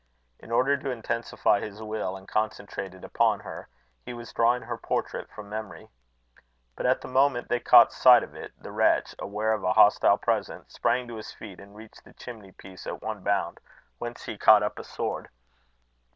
In order to intensify his will and concentrate it upon her, he was drawing her portrait from memory. But at the moment they caught sight of it, the wretch, aware of a hostile presence, sprang to his feet, and reached the chimney piece at one bound, whence he caught up a sword.